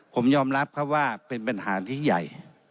ผมยอมรับครับว่าเป็นปัญหาที่ใหญ่